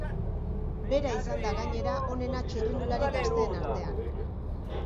Bera izan da, gainera, onena txirrindulari gazteen artean.